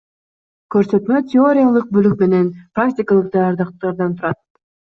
Көрсөтмө теориялык бөлүк менен практикалык даярдыктардан турат.